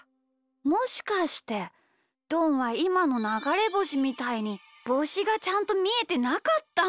もしかしてどんはいまのながれぼしみたいにぼうしがちゃんとみえてなかったんだ。